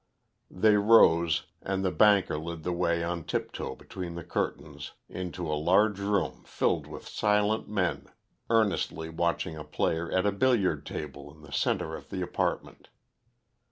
They rose, and the banker led the way on tiptoe between the curtains into a large room filled with silent men earnestly watching a player at a billiard table in the centre of the apartment.